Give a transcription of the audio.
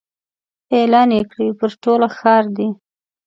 اعلان یې کړی پر ټوله ښار دی